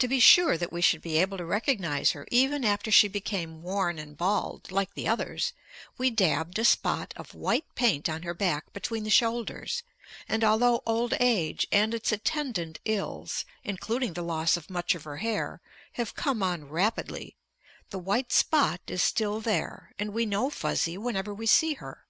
To be sure that we should be able to recognize her even after she became worn and bald, like the others, we dabbed a spot of white paint on her back between the shoulders, and although old age and its attendant ills, including the loss of much of her hair, have come on rapidly, the white spot is still there, and we know Fuzzy whenever we see her.